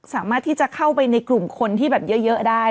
สามารถที่จะเข้าไปในกลุ่มคนที่แบบเยอะได้